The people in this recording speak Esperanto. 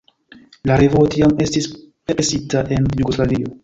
La revuo tiam estis presita en Jugoslavio.